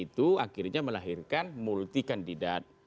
itu akhirnya melahirkan multi kandidat